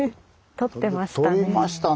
とってましたね。